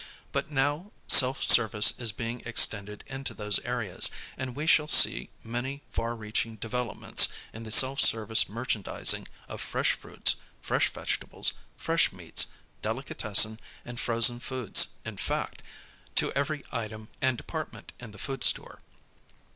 But now self service is being extended into those areas, and we shall see many far reaching developments in the self service merchandising of fresh fruits, fresh vegetables, fresh meats, delicatessen, and frozen foods in fact, to every item and department in the food store.